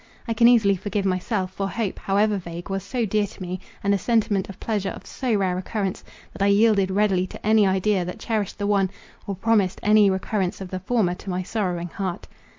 I can easily forgive myself—for hope, however vague, was so dear to me, and a sentiment of pleasure of so rare occurrence, that I yielded readily to any idea, that cherished the one, or promised any recurrence of the former to my sorrowing heart.